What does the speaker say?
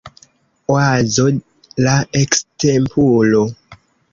Oazo la ekstempulo